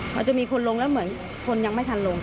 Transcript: มันจะมีคนลงแล้วเหมือนคนยังไม่ทันลง